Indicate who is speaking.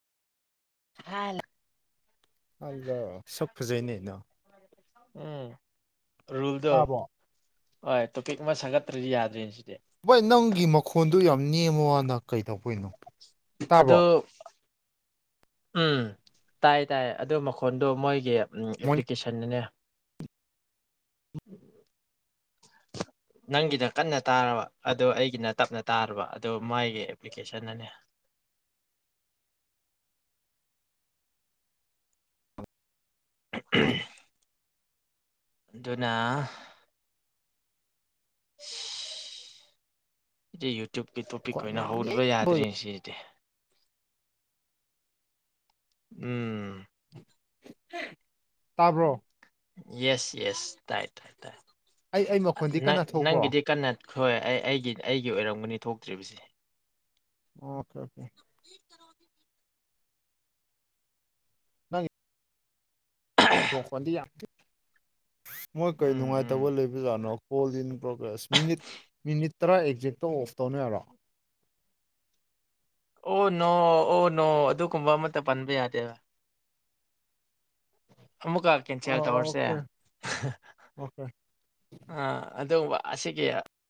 Speaker 1: ꯍꯥ
Speaker 2: ꯑꯜꯗ ꯁꯛ ꯐꯖꯩꯅꯦꯅ
Speaker 1: ꯎꯝ ꯔꯨꯜꯗꯣ
Speaker 2: ꯇꯥꯕ꯭ꯔꯣ
Speaker 1: ꯍꯣꯏ ꯇꯣꯄꯤꯛ ꯑꯃ ꯁꯥꯒꯠꯇ꯭ꯔꯗꯤ ꯌꯥꯗ꯭ꯔꯤꯅꯦ ꯁꯤꯗꯤ
Speaker 2: ꯚꯩ ꯅꯪꯒꯤ ꯃꯈꯣꯟꯗꯨ ꯌꯥꯝ ꯅꯦꯝꯃꯣ ꯋꯥꯅ ꯀꯩꯗꯧꯕꯅꯣ
Speaker 1: ꯑꯗꯣ ꯎꯝ ꯇꯥꯏ ꯇꯥꯏ ꯑꯗꯨ ꯃꯈꯣꯟꯗꯣ ꯃꯣꯏꯒꯤ
Speaker 2: ꯃꯣꯏ
Speaker 1: ꯑꯦꯄ꯭ꯂꯤꯀꯦꯁꯟꯅꯅꯦ ꯎꯝ
Speaker 2: [inaudible]
Speaker 1: ꯅꯪꯒꯤꯅ ꯀꯟꯅ ꯇꯥꯔꯕ ꯑꯣ ꯑꯩꯒꯤꯅ ꯇꯞꯅ ꯇꯥꯔꯕ ꯑꯗꯨ ꯃꯥꯏꯒꯤ ꯚꯤꯀꯦꯁꯟꯅꯅꯦ ꯎ ꯑꯗꯨꯅ ꯁꯤꯗꯤ ꯌꯨꯇ꯭ꯌꯨꯕꯀꯤ ꯇꯣꯄꯤꯛ
Speaker 2: ꯃꯈꯣꯟ
Speaker 1: ꯑꯣꯏꯅ
Speaker 2: ꯌꯥꯝ
Speaker 1: ꯍꯧꯗꯕ
Speaker 2: ꯅꯦꯝꯕ
Speaker 1: ꯌꯥꯗ꯭ꯔꯤꯅꯦ ꯁꯤꯗꯤ ꯎꯝ
Speaker 2: ꯇꯥꯕ꯭ꯔꯣ
Speaker 1: ꯌꯦꯁ ꯌꯦꯁ ꯇꯥꯏ ꯇꯥꯏ ꯇꯥꯏꯪ
Speaker 2: ꯑꯩ ꯑꯩ ꯃꯈꯣꯟꯗꯤ ꯀꯟꯅ ꯊꯣꯛꯄ꯭ꯔꯣ
Speaker 1: ꯅꯪꯒꯤꯗꯤ ꯀꯟꯅ ꯍꯣꯏ ꯑꯩ ꯑꯩꯒꯤ ꯑꯩꯒꯤ ꯑꯣꯏꯔꯝꯒꯅꯤ ꯊꯣꯛꯇ꯭ꯔꯤꯕꯁꯦ
Speaker 2: ꯑꯣꯀꯦ ꯑꯣꯀꯦ
Speaker 1: ꯣ
Speaker 2: ꯅ ꯅꯣꯟꯗꯤ ꯃꯣꯏ ꯀꯩ
Speaker 1: ꯎꯝ ꯎꯝ
Speaker 2: ꯅꯨꯡꯉꯥꯏꯇꯕ ꯂꯩꯕꯖꯥꯠꯅꯣ call in progress minute minute ꯇꯔꯥ ꯑꯦꯛꯖꯦꯛꯇ ꯑꯣꯐ ꯇꯧꯅ ꯌꯥꯔꯣ
Speaker 1: ꯑꯣ ꯅꯣ ꯑꯣ ꯅꯣ ꯑꯗꯨꯒꯨꯝꯕ ꯑꯃꯇ ꯄꯟꯕ ꯌꯥꯗꯦꯕ ꯑꯃꯨꯛꯀ ꯀꯦꯟꯁꯦꯜ
Speaker 2: ꯑꯣ
Speaker 1: ꯇꯧꯔꯁꯦ
Speaker 2: ꯑꯣꯀꯦ ꯑꯣꯀꯦ
Speaker 1: ꯑ ꯑꯗꯨꯒ ꯑꯁꯤꯒꯤ